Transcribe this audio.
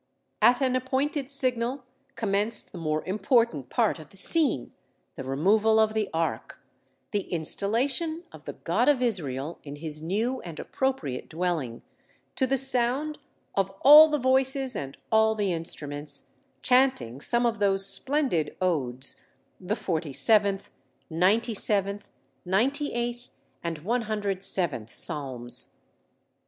At an appointed signal commenced the more important part of the scene, the removal of the Ark, the installation of the God of Israel in his new and appropriate dwelling, to the sound of all the voices and all the instruments, chanting some of those splendid odes, the 47th, 97th, 98th, and 107th psalms.